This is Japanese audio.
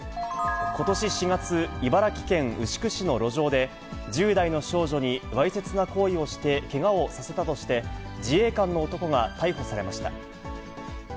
ことし４月、茨城県牛久市の路上で、１０代の少女にわいせつな行為をしてけがをさせたとして、自衛官の男が逮捕されました。